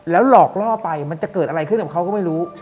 หลอกล่อไปมันจะเกิดอะไรขึ้นกับเขาก็ไม่รู้